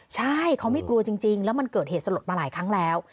ใช่เขาไม่กลัวจริงแล้วมันเกิดเหตุสลดมาหลายครั้งแล้ว